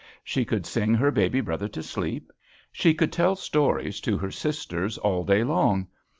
She could sing her baby brother to sleep. She could tell stories to her sisters all day long.